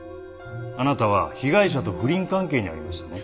あなたは被害者と不倫関係にありましたね？